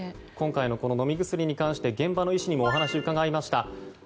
今回の飲み薬に関して現場の医師にもお話を伺いました。